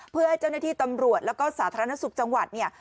เพื่อให้เจ้าหน้าที่ตำรวจแล้วก็สาธารณสุขจังหวัดเนี่ย